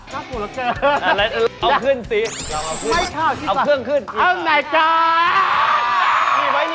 หนีบไว้หนีบหนีบไว้หนีบไว้